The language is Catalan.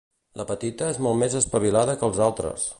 La petita és molt més espavilada que els altres.